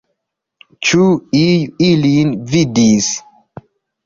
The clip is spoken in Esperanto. Ĉu iu ilin vidis?